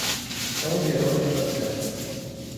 São Jerônimo da Serra